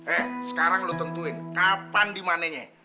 eh sekarang lo tentuin kapan dimanenya